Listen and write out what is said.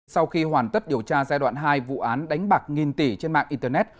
sau khi hoàn tất điều tra giai đoạn hai vụ án đánh bạc nghìn tỷ trên mạng internet